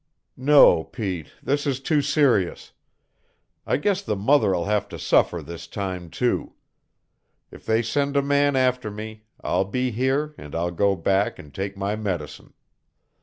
"No, Pete; this is too serious. I guess the mother'll have to suffer this time, too. If they send a man after me I'll be here and I'll go back and take my medicine.